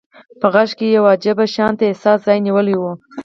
په غږ کې يې يو عجيب شانته احساس ځای نيولی و.